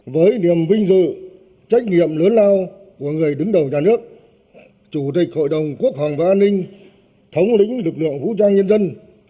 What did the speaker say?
với niềm vinh dự trách nhiệm lớn lao của người đứng đầu nhà nước chủ tịch hội đồng quốc phòng và an ninh thống lĩnh lực lượng vũ trang nhân dân